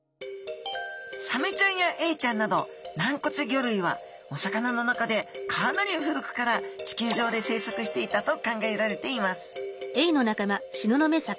サメちゃんやエイちゃんなど軟骨魚類はお魚の中でかなり古くから地球上で生息していたと考えられています